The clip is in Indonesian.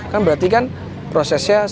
kan berarti kan prosesnya